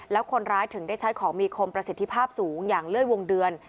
แล้วคนร้ายถึงได้ใช้ของมีคมประสิทธิภาพสูงอย่างเลื่อยวงเดือน